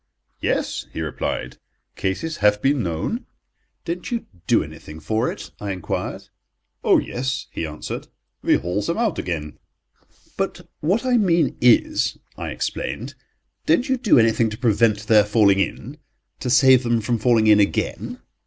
"Yes," he replied, "cases have been known." "Don't you do anything for it?" I enquired. "Oh, yes," he answered, "we haul them out again." "But what I mean is," I explained, "don't you do anything to prevent their falling in—to save them from falling in again?"